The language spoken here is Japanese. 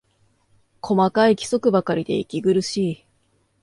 細かい規則ばかりで息苦しい